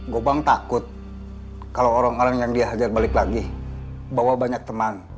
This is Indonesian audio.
gobang takut kalau orang orang yang dia hajar balik lagi bawa banyak teman